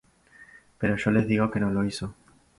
Pero yo les digo que no lo hizo.